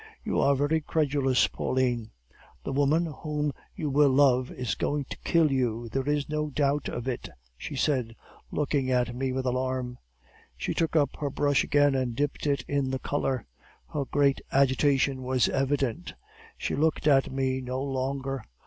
"'You are very credulous, Pauline!' "'The woman whom you will love is going to kill you there is no doubt of it,' she said, looking at me with alarm. "She took up her brush again and dipped it in the color; her great agitation was evident; she looked at me no longer.